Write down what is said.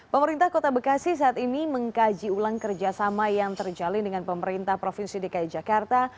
pemerintah kota bekasi saat ini mengkaji ulang kerjasama yang terjalin dengan pemerintah provinsi dki jakarta